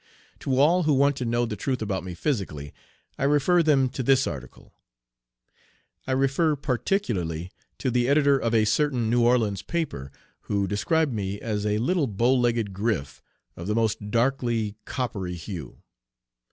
To all who want to know the truth about me physically, I refer them to this article. I refer particularly to the editor of a certain New Orleans paper, who described me as a "little bow legged grif of the most darkly coppery hue."